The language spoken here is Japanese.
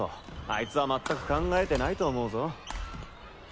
あいつは全く考えてないと思うぞ。